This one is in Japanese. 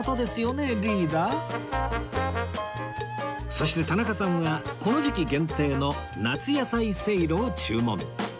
そして田中さんはこの時期限定の夏野菜せいろを注文